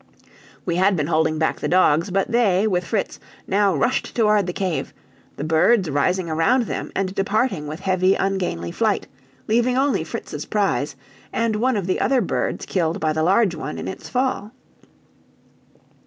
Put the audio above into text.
We had been holding back the dogs, but they, with Fritz, now rushed toward the cave, the birds rising around them and departing with heavy, ungainly flight, leaving only Fritz's prize, and one of the other birds killed by the large one in its fall.